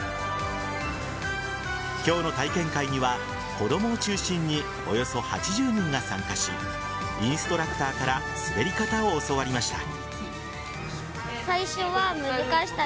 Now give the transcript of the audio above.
今日の体験会には子供を中心におよそ８０人が参加しインストラクターから滑り方を教わりました。